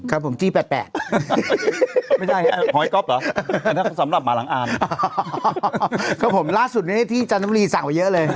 ครับผมจี้๘๘ไม่ใช่ครับหอยก๊อบเหรอสำหรับหมาหลังอ่านครับผมล่าสุดนี้ที่จันทบุรีสั่งไปเยอะเลย